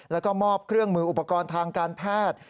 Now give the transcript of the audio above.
แล้วก็มอบเครื่องมืออุปกรณ์ทางการแพทย์